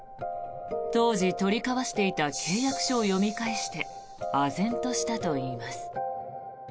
当時、取り交わしていた契約書を読み返してあぜんとしたといいます。